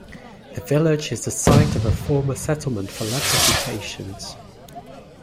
The village is the site of a former settlement for leprosy patients.